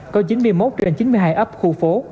có chín mươi một trên chín mươi hai ấp khu phố